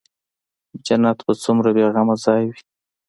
جنت به څومره بې غمه ځاى وي.